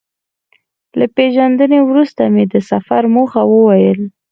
له پېژندنې وروسته مې د سفر موخه وویل.